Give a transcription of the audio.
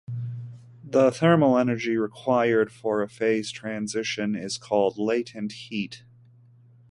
The thermal energy required for a phase transition is called latent heat.